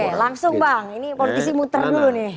oke langsung bang ini politisi muter dulu nih